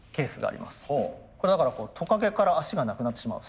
だからトカゲから脚がなくなってしまう。